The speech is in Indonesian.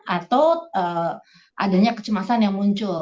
atau adanya kecemasan yang muncul